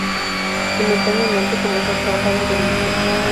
Simultáneamente comenzó a trabajar en televisión.